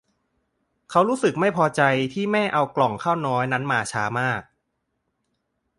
เขารู้สึกไม่พอใจที่แม่เอาก่องข้าวน้อยนั้นมาช้ามาก